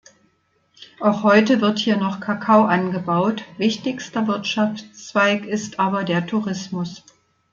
Auch heute wird hier noch Kakao angebaut, wichtigster Wirtschaftszweig ist aber der Tourismus.